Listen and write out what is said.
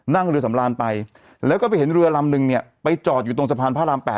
นั่งเรือสำราญไปแล้วก็ไปเห็นเรือลำนึงเนี่ยไปจอดอยู่ตรงสะพานพระราม๘